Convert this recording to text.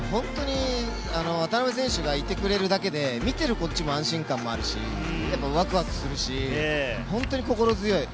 渡邊選手がいてくれるだけで、見てるこっちも安心感があるし、ワクワクするし、本当に心強い。